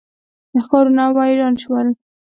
ښارونه ویران شول.